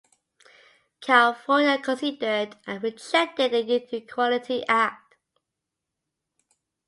California considered and rejected the Youth Equality Act.